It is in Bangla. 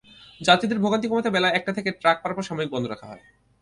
যাত্রীদের ভোগান্তি কমাতে বেলা একটা থেকে ট্রাক পারাপার সাময়িক বন্ধ রাখা হয়।